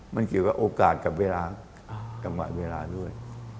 มันเกี่ยวกับโอกาสกับเวลากำหนดเวลาด้วย